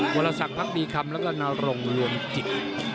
วรสักพักดีคำแล้วก็นรงรวมจิต